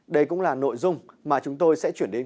đây cũng là nội dung mà chúng tôi sẽ chuyển đến